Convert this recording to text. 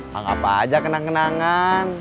bang apa aja kenang kenangan